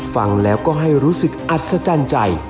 ฟังแล้วก็ให้รู้สึกอัศจรรย์ใจ